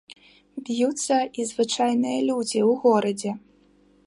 Б'юцца і звычайныя людзі ў горадзе.